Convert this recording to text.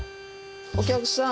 お客さん